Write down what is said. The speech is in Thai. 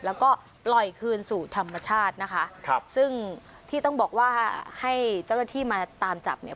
แล้วก็ปล่อยคืนสู่ธรรมชาตินะคะครับซึ่งที่ต้องบอกว่าให้เจ้าหน้าที่มาตามจับเนี่ย